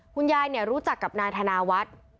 คุณยายรู้จักกับนายธนาวัฒน์